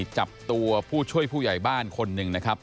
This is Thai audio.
จับตัวผู้ช่วยผู้ใหญ่บ้านคนหนึ่งนะครับ